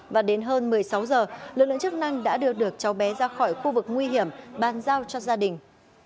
và đến hơn một mươi sáu giờ lực lượng chức năng đã đưa được cháu bé ra khỏi khu vực nguy hiểm bàn giao cho gia đình